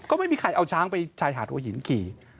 ก็ไม่มีใครเอาช้างไปชายหาดหัวหินขี่